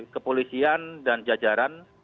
kepolisian dan jajaran